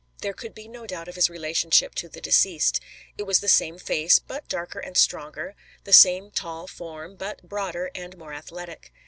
There could be no doubt of his relationship to the deceased. It was the same face, but darker and stronger; the same tall form, but broader and more athletic.